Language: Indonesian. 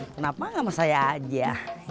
kenapa sama saya aja